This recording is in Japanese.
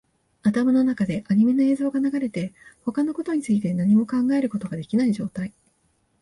頭の中でアニメの映像が流れて、他のことについて何も考えることができない状態